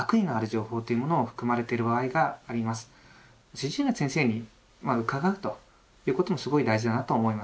主治医の先生に伺うということもすごい大事だなと思います。